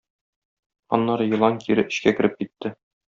Аннары елан кире эчкә кереп китте.